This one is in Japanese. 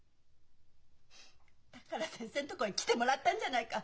だから先生のとこへ来てもらったんじゃないか。